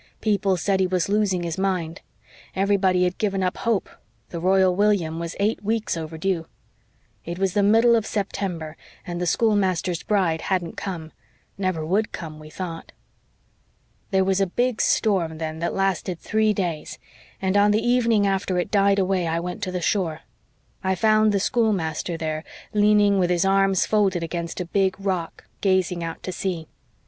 People said he was losing his mind. Everybody had given up hope the Royal William was eight weeks overdue. It was the middle of September and the schoolmaster's bride hadn't come never would come, we thought. "There was a big storm then that lasted three days, and on the evening after it died away I went to the shore. I found the schoolmaster there, leaning with his arms folded against a big rock, gazing out to sea.